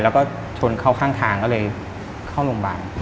แล้วก็ชนเข้าข้างทางก็เลยเข้าโรงพยาบาล